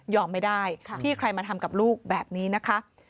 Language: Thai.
ไม่ได้ที่ใครมาทำกับลูกแบบนี้นะคะ